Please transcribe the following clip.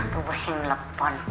pak bos yang melepon